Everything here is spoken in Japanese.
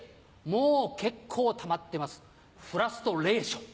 もう結構たまってますフラストレーション。